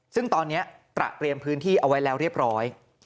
ซึ่งตอนนี้ตระเตรียมพื้นที่เอาไว้แล้วเรียบร้อย